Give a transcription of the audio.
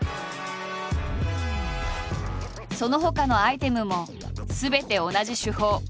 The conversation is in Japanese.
そのほかのアイテムもすべて同じ手法。